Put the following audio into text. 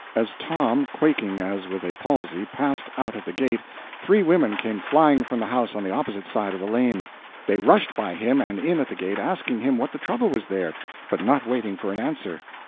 As Tom, quaking as with a palsy, passed out at the gate, three women came flying from the house on the opposite side of the lane. They rushed by him and in at the gate, asking him what the trouble was there, but not waiting for an answer.